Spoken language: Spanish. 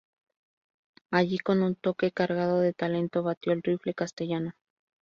Allí con un toque cargado de talento batió al "rifle" Castellano.